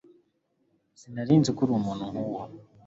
Sinari nzi ko uri umuntu nkuwo